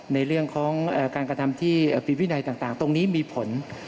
ในเรื่องของการกระทำที่ผิดวินัยต่างตรงนี้มีผล